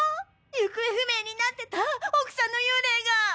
行方不明になってた奥さんの幽霊が！